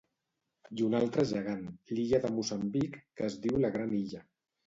I un altre gegant, l'illa de Moçambic, que es diu la gran illa.